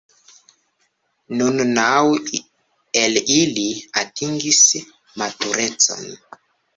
Nun naŭ el ili atingis maturecon.